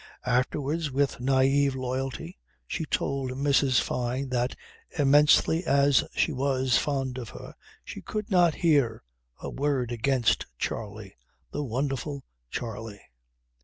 Afterwards with naive loyalty she told Mrs. Fyne that, immensely as she was fond of her she could not hear a word against Charley the wonderful Charley.